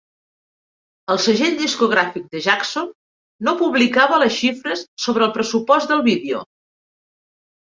El segell discogràfic de Jackson no publicava les xifres sobre el pressupost del vídeo.